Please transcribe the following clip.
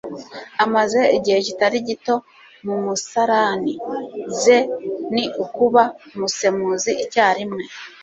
Amaze igihe kitari gito mu musarani. ze ni ukuba umusemuzi icyarimwe.